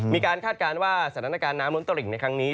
คาดการณ์ว่าสถานการณ์น้ำล้นตลิ่งในครั้งนี้